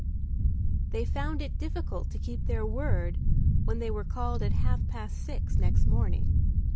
They found it difficult to keep their word when they were called at half past six next morning.